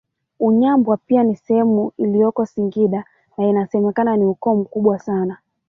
Unyambwa pia ni sehemu iliyoko Singida na inasemekana ni ukoo mkubwa sana